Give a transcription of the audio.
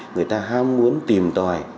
người ta ham muốn tìm tòi